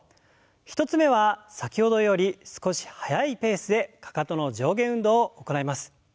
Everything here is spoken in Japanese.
１つ目は先ほどより少し速いペースでかかとの上下運動を行います。